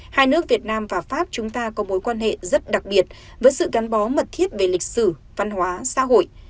hai nước việt nam và pháp chúng ta có mối quan hệ rất đặc biệt với sự gắn bó mật thiết về lịch sử văn hóa xã hội